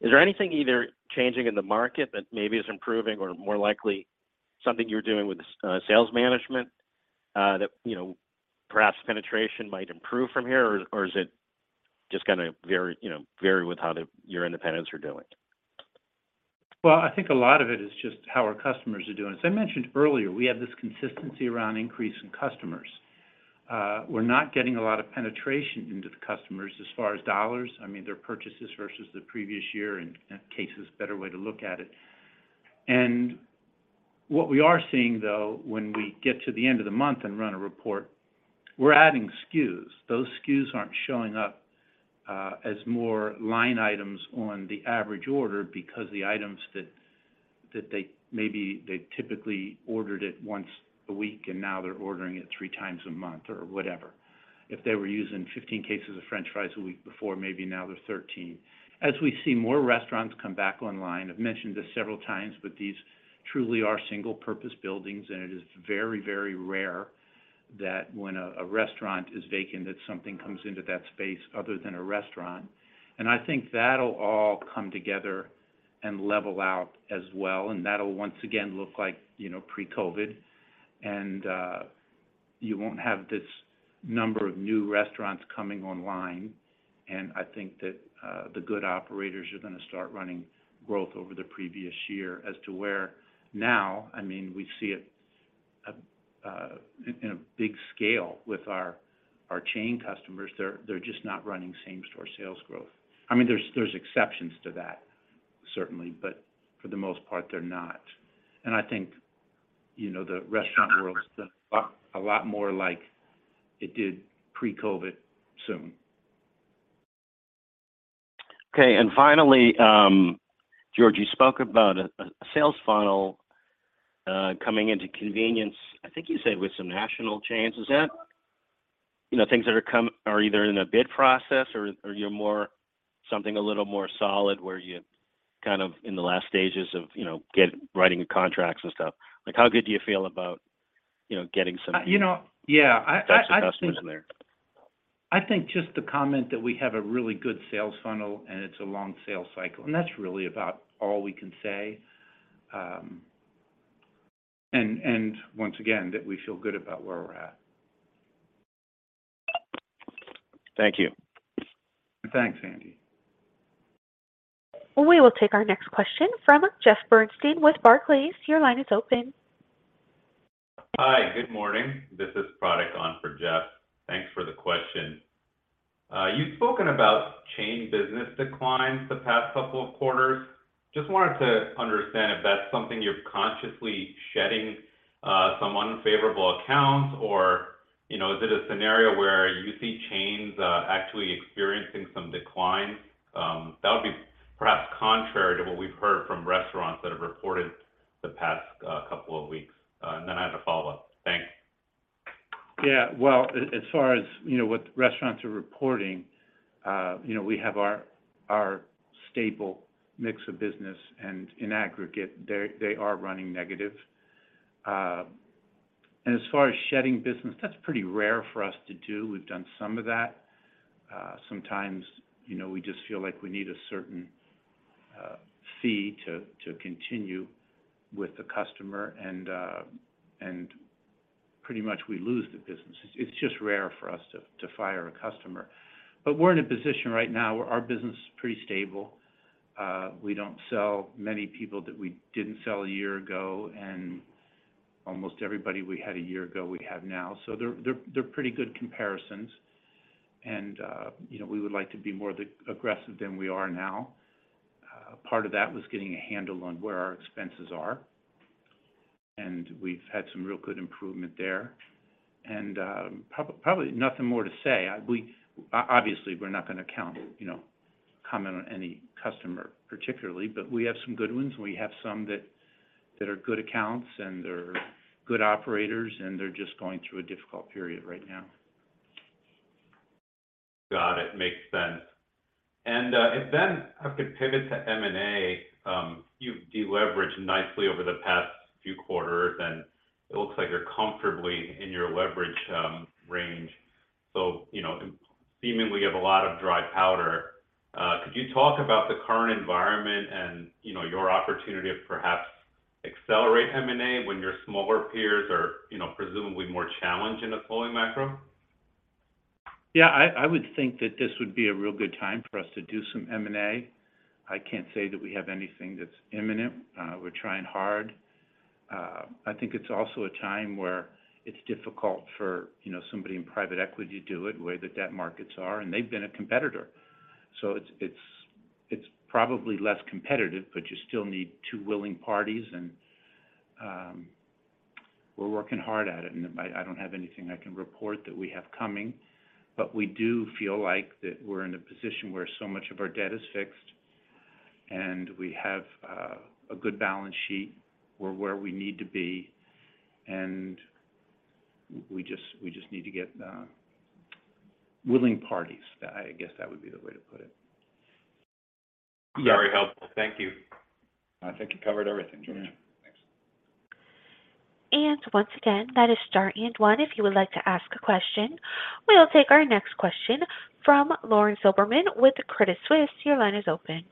Is there anything either changing in the market that maybe is improving or more likely something you're doing with sales management that, you know, perhaps penetration might improve from here? Or is it just gonna vary, you know, vary with how your independents are doing? Well, I think a lot of it is just how our customers are doing. As I mentioned earlier, we have this consistency around increase in customers. We're not getting a lot of penetration into the customers as far as dollars. I mean, their purchases versus the previous year and cases, better way to look at it. What we are seeing, though, when we get to the end of the month and run a report, we're adding SKUs. Those SKUs aren't showing up as more line items on the average order because the items that they maybe they typically ordered it once a week and now they're ordering it three times a month or whatever. If they were using 15 cases of french fries a week before, maybe now they're 13. As we see more restaurants come back online, I've mentioned this several times, but these truly are single purpose buildings, and it is very, very rare that when a restaurant is vacant, that something comes into that space other than a restaurant. I think that'll all come together and level out as well. That'll once again look like, you know, pre-COVID. You won't have this number of new restaurants coming online, and I think that the good operators are gonna start running growth over the previous year as to where now, I mean, we see it in a big scale with our chain customers. They're just not running same-store sales growth. I mean, there's exceptions to that certainly, but for the most part they're not. I think, you know, the restaurant world's gonna look a lot more like it did pre-COVID soon. Okay. Finally, George, you spoke about a sales funnel, coming into convenience, I think you said with some national chains. Is that, you know, things that are are either in a bid process or you're something a little more solid where you're kind of in the last stages of, you know, writing contracts and stuff? Like, how good do you feel about, you know, getting some You know, yeah. I think. customers there? I think just the comment that we have a really good sales funnel and it's a long sales cycle, and that's really about all we can say. Once again, that we feel good about where we're at. Thank you. Thanks, Andy. We will take our next question from Jeff Bernstein with Barclays. Your line is open. Hi. Good morning. This is Pratik on for Jeff. Thanks for the question. You've spoken about chain business declines the past couple of quarters. Just wanted to understand if that's something you're consciously shedding, some unfavorable accounts, or, you know, is it a scenario where you see chains, actually experiencing some declines? That would be perhaps contrary to what we've heard from restaurants that have reported the past, couple of weeks. I have a follow-up. Thanks. Yeah. Well, as far as, you know, what restaurants are reporting, you know, we have our stable mix of business, and in aggregate, they are running negative. As far as shedding business, that's pretty rare for us to do. We've done some of that. Sometimes, you know, we just feel like we need a certain fee to continue with the customer and pretty much we lose the business. It's just rare for us to fire a customer. We're in a position right now where our business is pretty stable. We don't sell many people that we didn't sell a year ago, and almost everybody we had a year ago, we have now. They're pretty good comparisons. You know, we would like to be more aggressive than we are now. Part of that was getting a handle on where our expenses are, and we've had some real good improvement there. Probably nothing more to say. Obviously, we're not gonna count, you know, comment on any customer particularly, but we have some good ones, and we have some that are good accounts and they're good operators, and they're just going through a difficult period right now. Got it. Makes sense. If then I could pivot to M&A. You've deleveraged nicely over the past few quarters, and it looks like you're comfortably in your leverage range, so, you know, seemingly you have a lot of dry powder. Could you talk about the current environment and, you know, your opportunity to perhaps accelerate M&A when your smaller peers are, you know, presumably more challenged in a slowing macro? I would think that this would be a real good time for us to do some M&A. I can't say that we have anything that's imminent. We're trying hard. I think it's also a time where it's difficult for, you know, somebody in private equity to do it the way the debt markets are, and they've been a competitor. It's probably less competitive, but you still need two willing parties and we're working hard at it. I don't have anything I can report that we have coming. We do feel like that we're in a position where so much of our debt is fixed and we have a good balance sheet. We're where we need to be, and we just need to get willing parties. I guess that would be the way to put it. Very helpful. Thank you. I think you covered everything, George. Yeah. Thanks. Once again, that is star and one if you would like to ask a question. We'll take our next question from Lauren Silberman with Credit Suisse. Your line is open.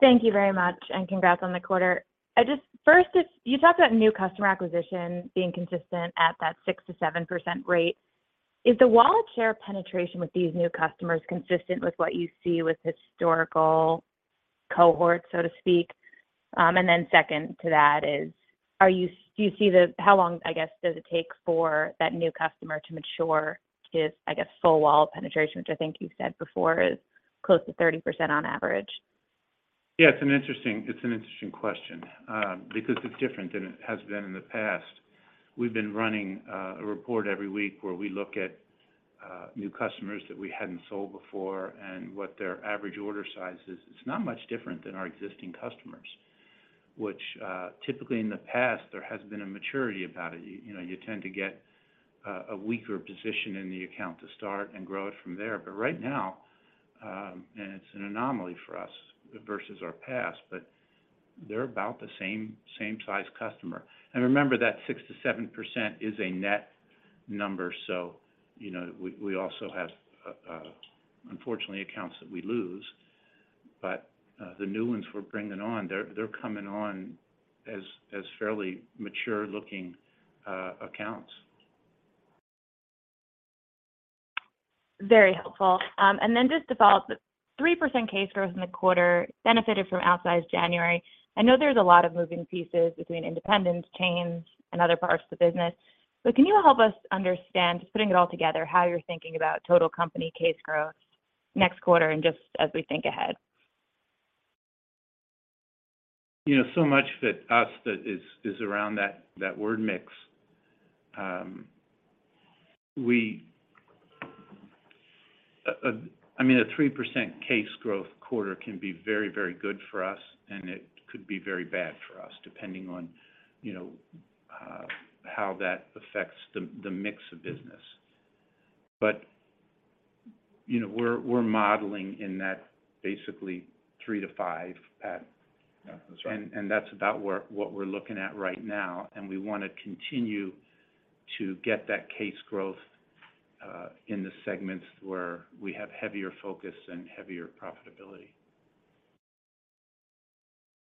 Thank you very much, congrats on the quarter. You talked about new customer acquisition being consistent at that 6%-7% rate. Is the wallet share penetration with these new customers consistent with what you see with historical cohorts, so to speak? Second to that is, how long, I guess, does it take for that new customer to mature to, I guess, full wallet penetration, which I think you said before is close to 30% on average? Yeah, it's an interesting, it's an interesting question, because it's different than it has been in the past. We've been running a report every week where we look at new customers that we hadn't sold before and what their average order size is. It's not much different than our existing customers, which typically in the past, there has been a maturity about it. You, you know, you tend to get a weaker position in the account to start and grow it from there. Right now, and it's an anomaly for us versus our past, but they're about the same size customer. Remember that 6%-7% is a net number. you know, we also have, unfortunately accounts that we lose. The new ones we're bringing on, they're coming on as fairly mature-looking accounts. Very helpful. Just to follow up, the 3% case growth in the quarter benefited from outsized January. I know there's a lot of moving pieces between independent chains and other parts of the business, but can you help us understand, just putting it all together, how you're thinking about total company case growth next quarter and just as we think ahead? You know, so much that us that is around that word mix. I mean, a 3% case growth quarter can be very, very good for us, and it could be very bad for us, depending on, you know, how that affects the mix of business. But, you know, we're modeling in that basically 3-5 pattern. Yeah, that's right. That's about what we're looking at right now, and we wanna continue to get that case growth in the segments where we have heavier focus and heavier profitability.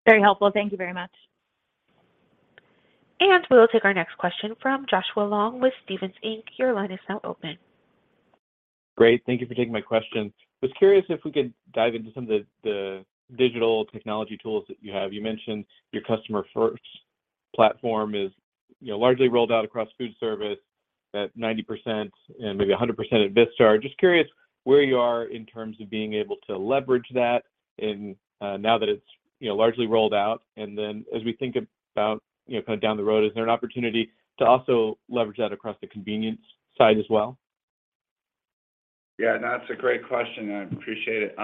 Very helpful. Thank you very much. We will take our next question from Joshua Long with Stephens Inc. Your line is now open. Great. Thank you for taking my question. Was curious if we could dive into some of the digital technology tools that you have. You mentioned your CustomerFirst platform is, you know, largely rolled out across foodservice at 90% and maybe 100% at Vistar. Just curious where you are in terms of being able to leverage that in now that it's, you know, largely rolled out. As we think about, you know, kind of down the road, is there an opportunity to also leverage that across the convenience side as well? Yeah, that's a great question. I appreciate it.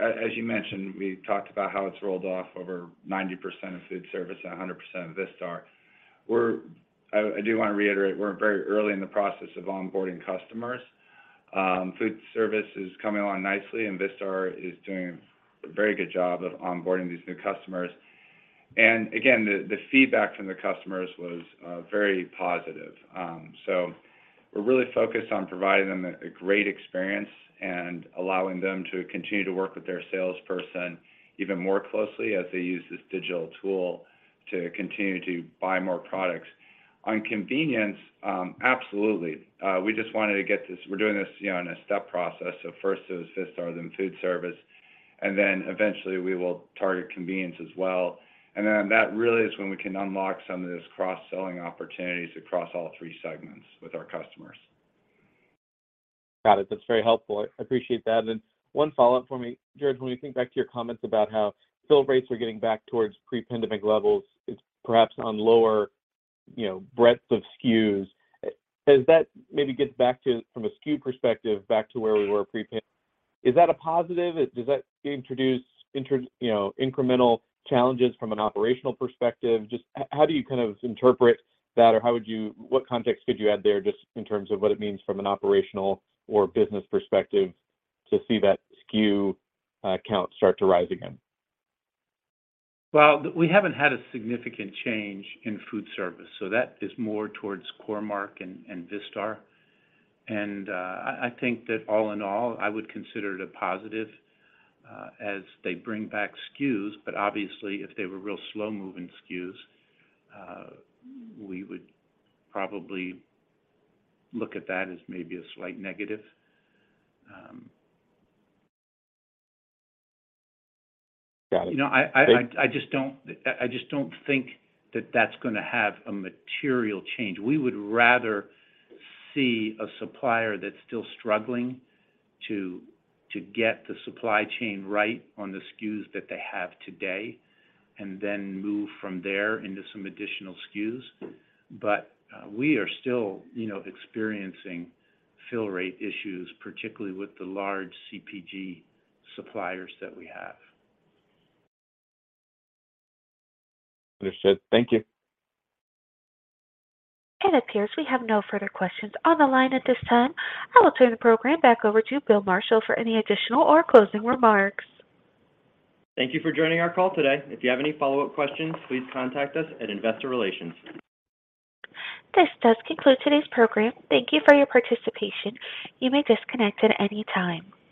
As you mentioned, we talked about how it's rolled off over 90% of foodservice and 100% of Vistar. I do wanna reiterate, we're very early in the process of onboarding customers. Foodservice is coming along nicely, and Vistar is doing a very good job of onboarding these new customers. Again, the feedback from the customers was very positive. We're really focused on providing them a great experience and allowing them to continue to work with their salesperson even more closely as they use this digital tool to continue to buy more products. On convenience, absolutely. We're doing this, you know, in a step process. First it was Vistar, then food service, and then eventually we will target convenience as well. That really is when we can unlock some of those cross-selling opportunities across all three segments with our customers. Got it. That's very helpful. I appreciate that. One follow-up for me. Jared, when we think back to your comments about how fill rates are getting back towards pre-pandemic levels, it's perhaps on lower, you know, breadth of SKUs. as that maybe gets back to, from a SKU perspective, back to where we were pre-pan-. Is that a positive? Does that introduce you know, incremental challenges from an operational perspective? Just how do you kind of interpret that, or what context could you add there just in terms of what it means from an operational or business perspective to see that SKU count start to rise again? We haven't had a significant change in foodservice, so that is more towards Core-Mark and Vistar. I think that all in all, I would consider it a positive, as they bring back SKUs. Obviously, if they were real slow-moving SKUs, we would probably look at that as maybe a slight negative. Got it. You know, I just don't think that that's gonna have a material change. We would rather see a supplier that's still struggling to get the supply chain right on the SKUs that they have today and then move from there into some additional SKUs. We are still, you know, experiencing fill rate issues, particularly with the large CPG suppliers that we have. Understood. Thank you. It appears we have no further questions on the line at this time. I will turn the program back over to Bill Marshall for any additional or closing remarks. Thank you for joining our call today. If you have any follow-up questions, please contact us at Investor Relations. This does conclude today's program. Thank you for your participation. You may disconnect at any time.